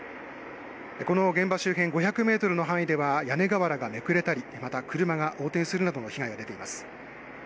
この現場周辺５００メートルの範囲では屋根瓦がめくれたり、また車が横転するなどの被害が出ています。